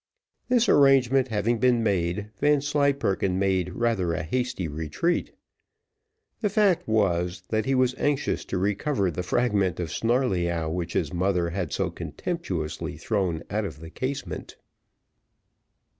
This arrangement having been made, Vanslyperken made rather a hasty retreat. The fact was, that he was anxious to recover the fragment of Snarleyyow, which his mother had so contemptuously thrown out of the casement.